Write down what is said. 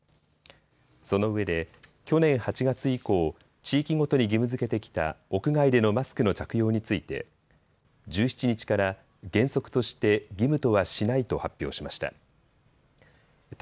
そのうえで去年８月以降、地域ごとに義務づけてきた屋外でのマスクの着用について１７日から原則として義務とはしないと発表しました。